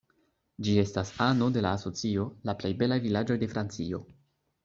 Ĝi estas ano de la asocio La plej belaj vilaĝoj de Francio.